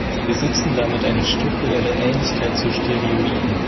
Sie besitzen damit eine strukturelle Ähnlichkeit zu Steroiden.